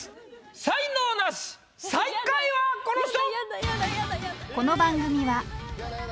才能ナシ最下位はこの人！